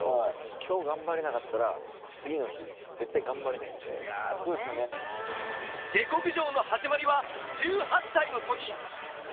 きょう頑張れなかったら、次の日、下克上の始まりは、１８歳のとき。